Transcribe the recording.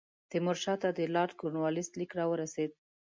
د تیمور شاه ته د لارډ کورنوالیس لیک را ورسېد.